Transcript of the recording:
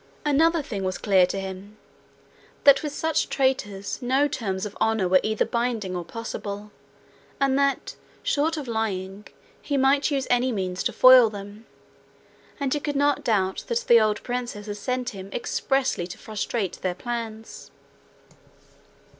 Another thing was clear to him that with such traitors no terms of honour were either binding or possible, and that, short of lying, he might use any means to foil them. And he could not doubt that the old princess had sent him expressly to frustrate their plans.